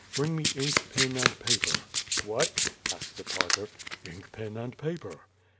Bring me ink, pen, and paper." "What?" asked the Tartar. "Ink, pen and paper."